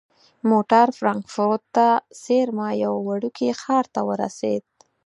موټر فرانکفورت ته څیرمه یوه وړوکي ښار ته ورسید.